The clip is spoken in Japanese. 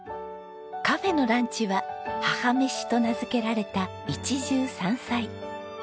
カフェのランチは母めしと名付けられた一汁三菜。